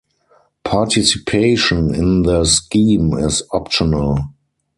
Participation in the scheme is optional.